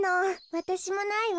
わたしもないわ。